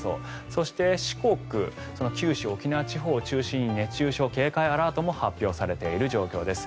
そして、四国九州、沖縄地方を中心に熱中症警戒アラートも発表されている状況です。